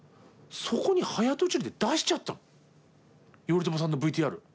そこに早とちりで出しちゃったの頼朝さんのＶＴＲ。